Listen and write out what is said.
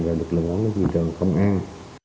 rồi được lưu án với thị trường công an